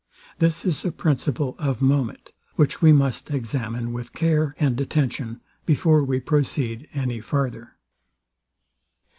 This is a principle of moment, which we must examine with care and attention, before we proceed any farther.